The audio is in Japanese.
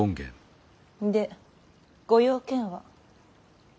でご用件は。